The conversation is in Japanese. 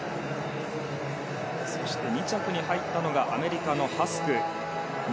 ２着に入ったのがアメリカのハスク。